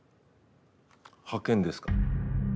派遣ですか？